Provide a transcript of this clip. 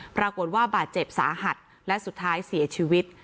ปรากฏว่าบาดเจ็บสาหัสและสุดท้ายเสียชีวิต